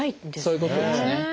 そういうことですね。